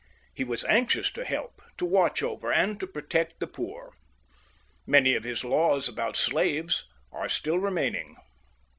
He was anxious to helg, to watch over, and to protect the poor. Many of his laws about slaves are still remaining.